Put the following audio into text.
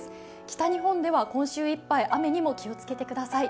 北日本では今週いっぱい雨にも気を付けてください。